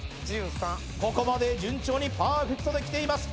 ここまで順調にパーフェクトできています